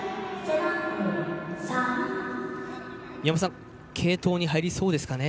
宮本さん、継投に入りそうですかね？